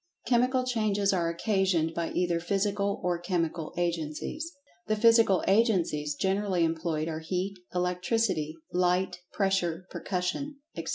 Chemical changes are occasioned by either physical or chemical agencies. The physical agencies generally employed are heat, electricity, light, pressure, percussion, etc.